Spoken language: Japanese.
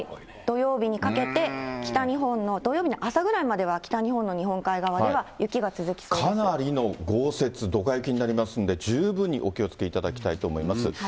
土曜日にかけて、北日本の、土曜日の朝ぐらいまでは、北日本の日本海側では雪が続かなりの豪雪、どか雪になりますんで、十分にお気をつけいただきたいと思います。